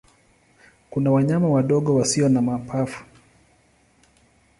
Kuna wanyama wadogo wasio na mapafu.